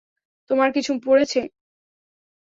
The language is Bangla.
তোমার কিছু পড়েছে।